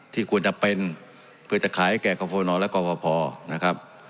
ที่ควรจะเป็นเพื่อจะขายแก่กาโฟนอลและกาวภอพอ